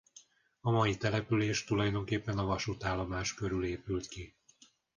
A mai település tulajdonképpen a vasútállomás körül épült ki.